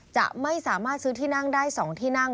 จะไม่สามารถซื้อที่นั่งได้๒ที่นั่ง